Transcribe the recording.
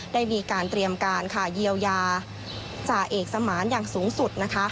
ได้มีการเตรียมการเยียวยาจ่าเอกสมานอย่างสูงสุดนะคะ